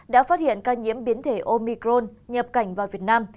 đã phát hiện ca nhiễm biến thể omicron nhập cảnh vào việt nam